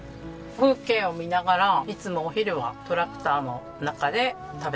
風景を見ながらいつもお昼はトラクターの中で食べてます。